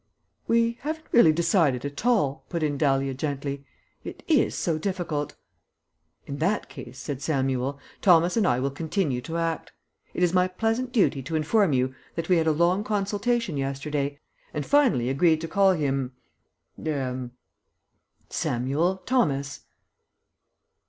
"We haven't really decided at all," put in Dahlia gently. "It is so difficult." "In that case," said Samuel, "Thomas and I will continue to act. It is my pleasant duty to inform you that we had a long consultation yesterday, and finally agreed to call him er Samuel Thomas."